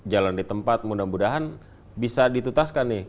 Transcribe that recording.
jalan di tempat mudah mudahan bisa ditutaskan nih